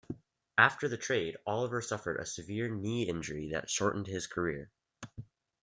After the trade, Oliver suffered a severe knee injury that shortened his career.